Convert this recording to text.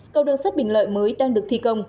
cầu đường sắt bình lợi mới đang được thi công